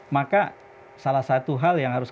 maka salah satu hal yang harus